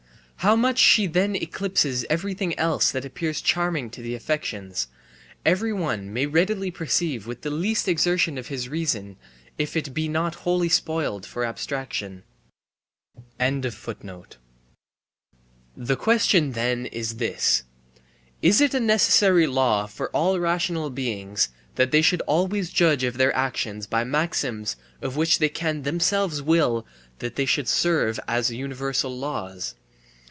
How much she then eclipses everything else that appears charming to the affections, every one may readily perceive with the least exertion of his reason, if it be not wholly spoiled for abstraction. The question then is this: "Is it a necessary law for all rational beings that they should always judge of their actions by maxims of which they can themselves will that they should serve as universal laws?"